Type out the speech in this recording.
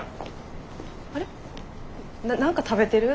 あれな何か食べてる？